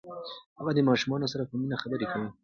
هغه د ماشومانو سره په مینه خبرې کوي.